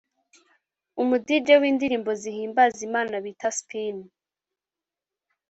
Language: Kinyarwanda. umu-Dj w’indirimbo zihimbaza Imana bita Spin